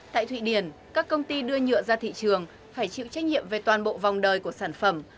tại thụy điển các công ty đưa nhựa ra thị trường phải chịu trách nhiệm về toàn bộ vòng đời của sản phẩm